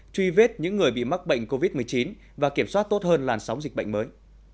truy vết những người bị mắc bệnh covid một mươi chín và kiểm soát tốt hơn làn sóng dịch bệnh mới